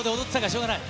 しょうがない。